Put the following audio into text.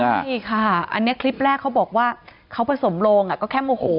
ใช่ค่ะอันนี้คลิปแรกเขาบอกว่าเขาผสมโลงก็แค่โมโห